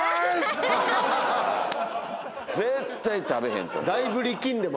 絶対食べへん！と。